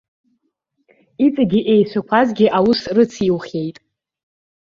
Иҵегьы еицәақәазгьы аус рыциухьеит.